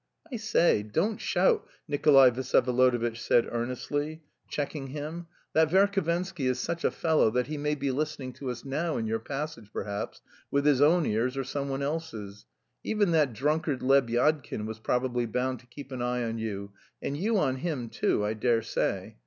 "I say, don't shout," Nikolay Vsyevolodovitch said earnestly, checking him. "That Verhovensky is such a fellow that he may be listening to us now in your passage, perhaps, with his own ears or someone else's. Even that drunkard, Lebyadkin, was probably bound to keep an eye on you, and you on him, too, I dare say?